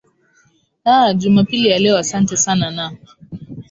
aa jumapili ya leo asante sana na